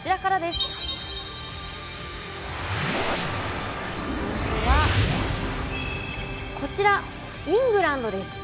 さあ最初はこちらイングランドです。